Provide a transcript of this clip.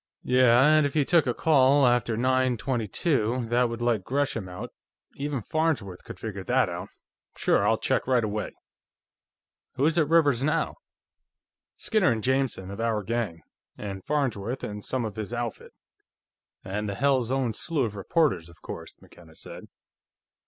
"Yeah. And if he took a call after nine twenty two, that would let Gresham out. Even Farnsworth could figure that out. Sure. I'll check right away." "Who's at Rivers's now?" "Skinner and Jameson, of our gang. And Farnsworth, and some of his outfit. And the hell's own slew of reporters, of course," McKenna said.